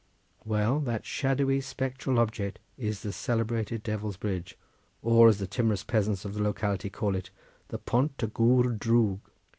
Well! that shadowy, spectral object is the celebrated Devil's Bridge, or, as the timorous peasants of the locality call it, the Pont y Gwr Drwg.